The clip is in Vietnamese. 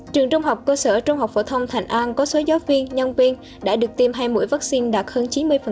trường trung học cơ sở trung học phổ thông thành an có số giáo viên nhân viên đã được tiêm hai mũi vaccine đạt hơn chín mươi